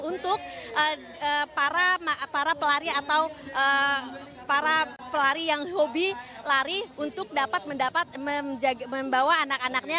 untuk para pelari atau para pelari yang hobi lari untuk dapat membawa anak anaknya